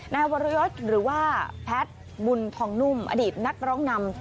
นายวรยศหรือว่าแพทย์บุญทองนุ่มอดีตนักร้องนำ